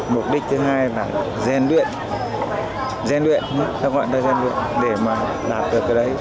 mục đích thứ hai là gian luyện gian luyện ta gọi cho gian luyện để mà đạt được cái đấy